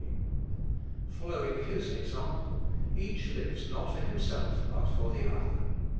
Following His example, each lives not for Himself but for the other.